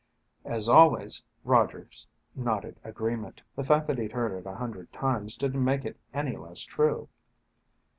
As always, Rogers nodded agreement. The fact that he'd heard it a hundred times didn't make it any less true.